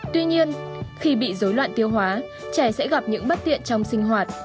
tuy nhiên khi bị dối loạn tiêu hóa trẻ sẽ gặp những bất tiện trong sinh hoạt